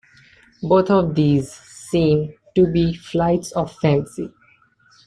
Both of these seem to be flights of fancy.